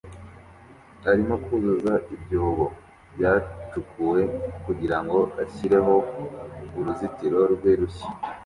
arimo kuzuza ibyobo byacukuwe kugirango ashyireho uruzitiro rwe rushya